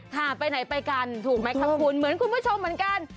ค่ะไปไหนไปกันถูกไหมครับคุณเหมือนคุณผู้ชมเหมือนกัน